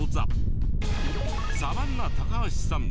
サバンナ高橋さん